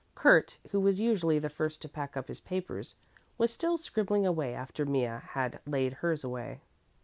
Kurt, who was usually the first to pack up his papers, was still scribbling away after Mea had laid hers away.